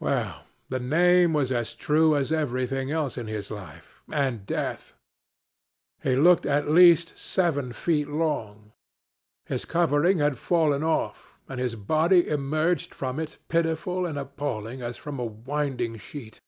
Well, the name was as true as everything else in his life and death. He looked at least seven feet long. His covering had fallen off, and his body emerged from it pitiful and appalling as from a winding sheet.